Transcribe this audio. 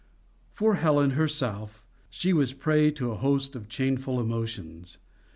For Helen herself, she was prey to a host of changeful emotions.